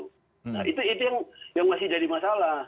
nah itu yang masih jadi masalah